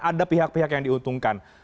ada pihak pihak yang diuntungkan